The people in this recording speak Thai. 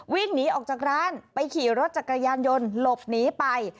วิ่งหนีออกจากร้านไปขี่รถจักรยานยนต์หลบหนีไป